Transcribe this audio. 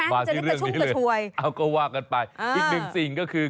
มาที่เรื่องนี้เลยเอาก็ว่ากันไปอีกหนึ่งสิ่งก็คือ